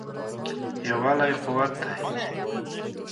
یووالی قوت دی.